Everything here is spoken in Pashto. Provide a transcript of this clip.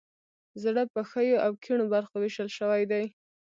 زړه په ښیو او کیڼو برخو ویشل شوی دی.